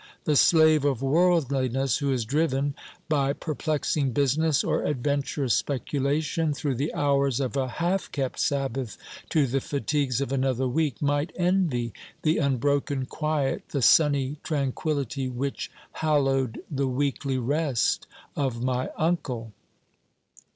The slave of worldliness, who is driven, by perplexing business or adventurous speculation, through the hours of a half kept Sabbath to the fatigues of another week, might envy the unbroken quiet, the sunny tranquillity, which hallowed the weekly rest of my uncle.